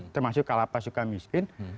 termasuk kalau apa suka miskin